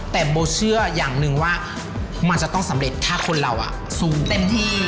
แต่โบเชื่ออย่างหนึ่งว่ามันจะต้องสำเร็จถ้าคนเราซูมเต็มที่